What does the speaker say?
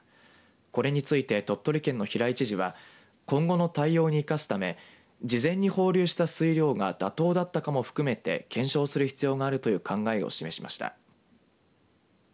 これについて鳥取県の平井知事は今後の対応に生かすため事前に放流した水量が妥当だったかも含めて検証する必要があるという考えを示しました。